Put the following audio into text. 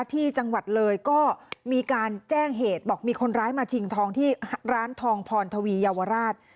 ที่จังหวัดเลยก็มีการแจ้งเหตุบอกมีคนร้ายมาชิงทองที่ร้านทองพรทวีเยาวราช